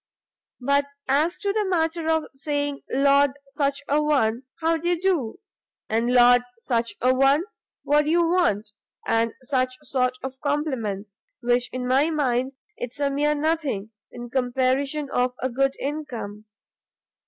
But as to the matter of saying Lord such a one, how d'ye do? and Lord such a one, what do you want? and such sort of compliments, why in my mind, it's a mere nothing, in comparison of a good income.